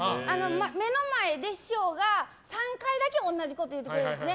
目の前で師匠が３回だけ同じことを言うてくれるんですね。